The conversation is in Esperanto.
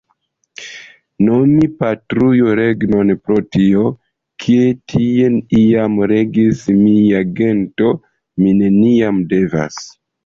Nomi patrujo regnon pro tio, ke tie iam regis mia gento, mi neniam devas.